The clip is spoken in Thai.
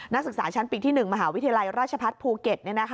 ศึกษาชั้นปีที่๑มหาวิทยาลัยราชพัฒน์ภูเก็ต